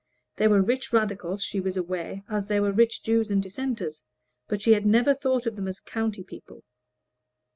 There were rich Radicals, she was aware, as there were rich Jews and Dissenters, but she had never thought of them as county people.